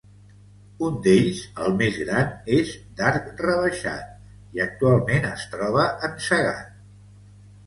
Un d'ells, el més gran, és d'arc rebaixat i actualment es troba encegat.